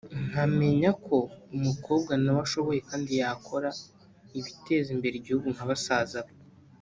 nkamenya ko umukobwa na we ashoboye kandi ko yakora ibiteza imbere igihugu nka basaza be